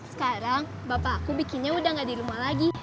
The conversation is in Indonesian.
sekarang bapak aku bikinnya udah gak di rumah lagi